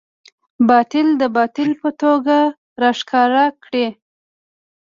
باطل د باطل په توګه راښکاره کړه.